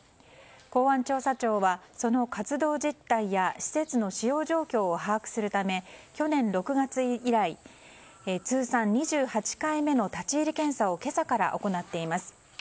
公安調査庁は、その活動実態や施設の使用状況を把握するため去年６月以来通算２８回目の立ち入り検査を今朝から行っています。